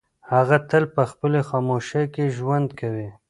هغه تل په خپلې خاموشۍ کې ژوند کوي.